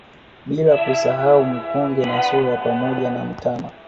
Bila kusahau Mkonge na Soya pamoja na mtama